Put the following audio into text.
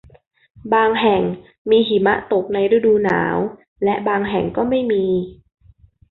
บางแห่งมีหิมะตกในฤดูหนาวและบางแห่งก็ไม่มี